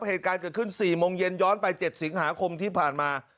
เหตุการณ์เกิดขึ้น๔โมงเย็นย้อนไป๗สิงหาคมที่ผ่านมา